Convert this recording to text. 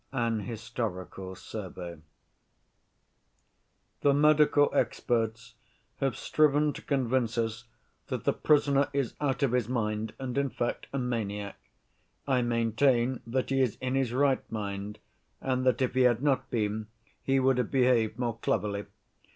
An Historical Survey "The medical experts have striven to convince us that the prisoner is out of his mind and, in fact, a maniac. I maintain that he is in his right mind, and that if he had not been, he would have behaved more cleverly.